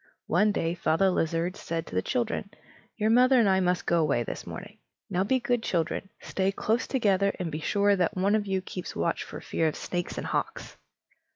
One day Father Lizard said to his children: "Your mother and I must go away this morning; now be good children; stay close together, and be sure that one of you keeps watch for fear of snakes and hawks!"